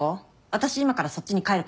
私今からそっちに帰るから。